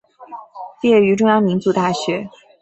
毕业于中央民族大学。